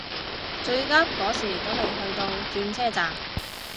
最急嗰時都未去到轉車站